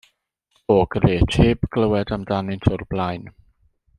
Oh, grêt, heb glywed amdanynt o'r blaen.